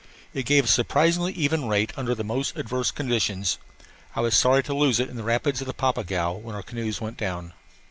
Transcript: It gave a surprisingly even rate under the most adverse conditions. I was sorry to lose it in the rapids of the Papagaio when our canoes went down.